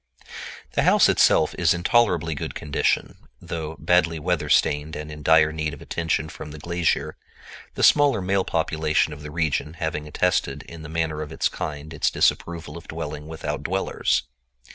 The house itself is in tolerably good condition, though badly weather stained and in dire need of attention from the glazier, the smaller male population of the region having attested in the manner of its kind its disapproval of dwelling without dwellers.